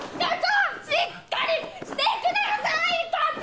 しっかりしてください課長！